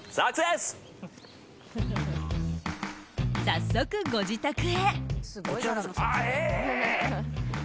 早速ご自宅へ。